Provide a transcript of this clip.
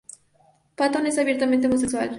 Patton es abiertamente homosexual.